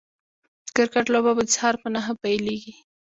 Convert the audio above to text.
د کرکټ لوبه به د سهار په نهه پيليږي